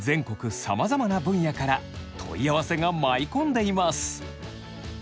さまざまな分野から問い合わせが舞い込んでいます。